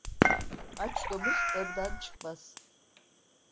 Aç domuz darıdan çıkmaz.